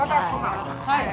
はい。